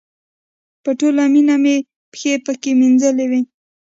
په ټوله مینه مې پښې پکې مینځلې وې.